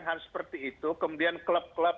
hal seperti itu kemudian klub klub